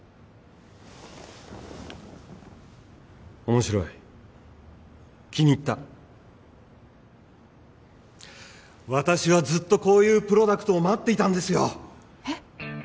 面白い気に入った私はずっとこういうプロダクトを待っていたんですよえっ？